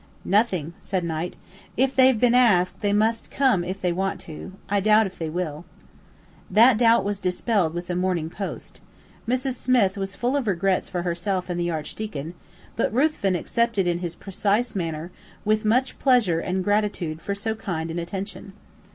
"Nothing," said Knight. "If they've been asked, they must come if they want to. I doubt if they will." That doubt was dispelled with the morning post. Mrs. Smith was full of regrets for herself and the Archdeacon, but Ruthven accepted in his precise manner with "much pleasure and gratitude for so kind an attention."